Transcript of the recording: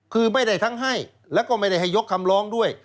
คือไม่ได้ทั้งให้แล้วก็ไม่ได้ให้ยกคำร้องด้วย